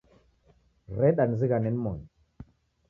Reda nizighane nimoni